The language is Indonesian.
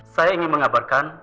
saya ingin mengabarkan